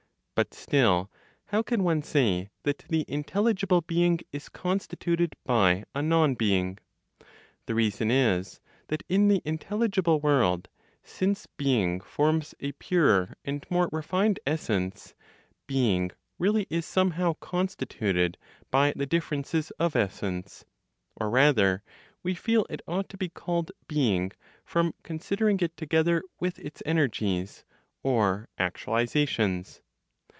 But still, how can one say that the intelligible being is constituted by a non being? The reason is that in the intelligible world since being forms a purer and more refined essence, being really is somehow constituted by the differences of essence; or rather, we feel it ought to be called being from considering it together with its energies (or, actualizations).